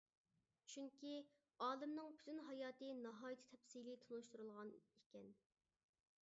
چۈنكى، ئالىمنىڭ پۈتۈن ھاياتى ناھايىتى تەپسىلىي تونۇشتۇرۇلغان ئىكەن.